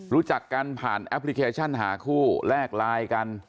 รู้จักกันผ่านแอปพลิเคชันหาคู่แลกไลน์กัน